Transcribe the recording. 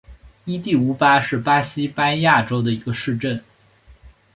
伊蒂乌巴是巴西巴伊亚州的一个市镇。